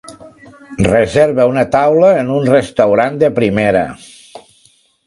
reserva una taula en un restaurant de primera